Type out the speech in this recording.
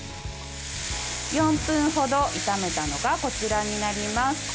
４分程、炒めたのがこちらになります。